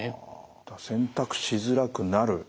選択しづらくなる。